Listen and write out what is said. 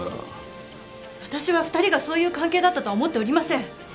私は２人がそういう関係だったとは思っておりません！